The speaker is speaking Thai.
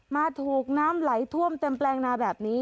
มาถูกน้ำไหลท่วมเต็มแปลงนาแบบนี้